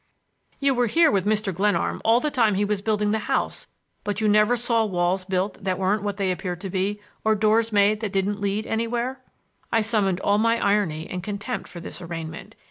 "You were here with Mr. Glenarm all the time he was building the house, but you never saw walls built that weren't what they appeared to be, or doors made that didn't lead anywhere." I summoned all my irony and contempt for this arraignment.